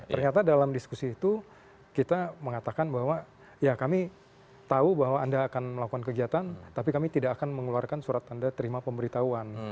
ternyata dalam diskusi itu kita mengatakan bahwa ya kami tahu bahwa anda akan melakukan kegiatan tapi kami tidak akan mengeluarkan surat tanda terima pemberitahuan